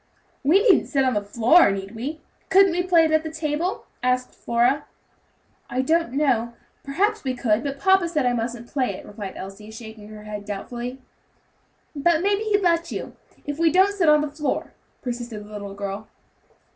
"We needn't sit on the floor, need we? Couldn't we play it on the table?" asked Flora. "I don't know; perhaps we could; but papa said I mustn't play it," replied Elsie, shaking her head doubtfully. "But maybe he'd let you, if we don't sit on the floor," persisted the little girl.